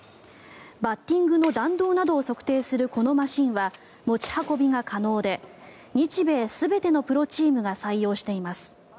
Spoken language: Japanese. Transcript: バッティングの弾道などを測定するこのマシンは持ち運びが可能で日米全てのプロチームが採用しています。